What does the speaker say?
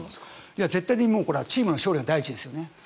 絶対にチームの勝利が第一ですね。